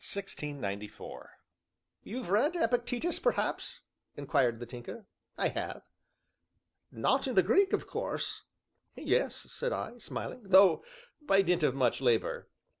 1649. "You've read Epictetus, perhaps?" inquired the Tinker. "I have." "Not in the Greek, of course." "Yes," said I, smiling, "though by dint of much labor."